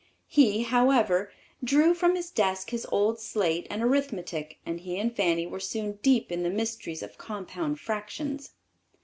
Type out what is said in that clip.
He, however, drew from his desk his old slate and arithmetic and he and Fanny were soon deep in the mysteries of compound fractions.